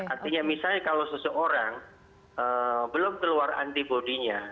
artinya misalnya kalau seseorang belum keluar antibody nya